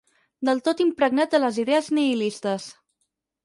Del tot impregnat de les idees nihilistes.